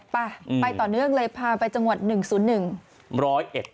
ไปไปต่อเนื่องเลยพาไปจังหวัด๑๐๑